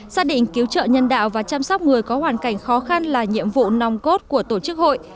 gia đình cứu trợ nhân đạo và chăm sóc người có hoàn cảnh khó khăn là nhiệm vụ nong cốt của tổ chức hội